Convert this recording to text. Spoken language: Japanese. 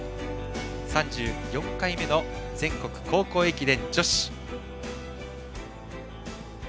３４回目の全国高校駅伝女子。